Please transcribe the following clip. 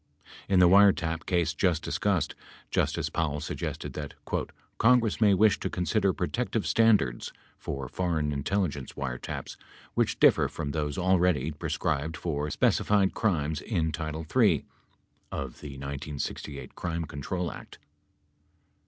In the wiretap case just discussed, Justice Powell suggested that "Congress may wish to consider protective standards (for foreign intelligence wiretaps) which differ from those already prescribed for specified crimes in title III (of the 1968 Crime Control Act).